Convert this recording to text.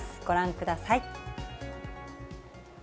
ご覧ください。